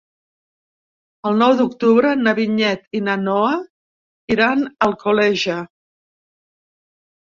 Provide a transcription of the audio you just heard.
El nou d'octubre na Vinyet i na Noa iran a Alcoleja.